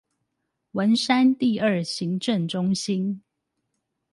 文山第二行政中心